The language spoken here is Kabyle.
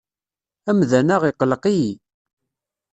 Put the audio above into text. Amdan-a iqelleq-iyi.